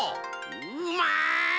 うまい！